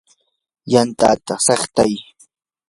yantata chiqtay.